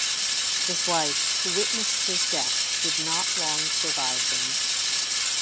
His wife, who witnessed his death, did not long survive him.